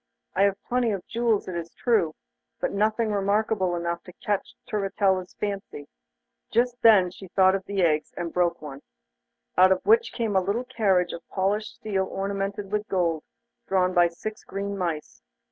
I have plenty of jewels, it is true, but nothing remarkable enough to catch Turritella's fancy.' Just then she thought of the eggs, and broke one, out of which came a little carriage of polished steel ornamented with gold, drawn by six green mice.